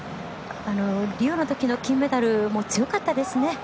リオのときの金メダルも強かったですね。